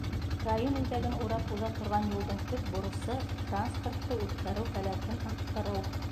Район үҙәген урап уҙа торған юлдың төп бурысы — транспортты үткәреү һәләтен арттырыу.